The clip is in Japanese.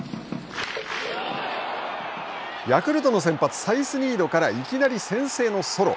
ヤクルトの先発サイスニードからいきなり先制のソロ。